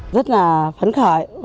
rất là phấn khởi